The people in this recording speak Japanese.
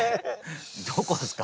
どこですか？